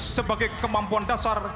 sebagai kemampuan dasar